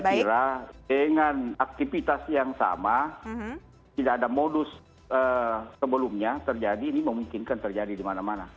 saya kira dengan aktivitas yang sama tidak ada modus sebelumnya terjadi ini memungkinkan terjadi di mana mana